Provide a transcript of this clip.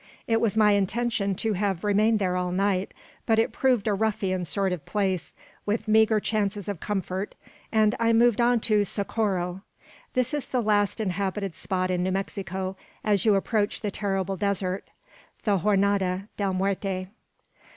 It was my intention to have remained there all night, but it proved a ruffian sort of place, with meagre chances of comfort, and I moved on to Socorro. This is the last inhabited spot in New Mexico, as you approach the terrible desert, the Jornada del Muerte.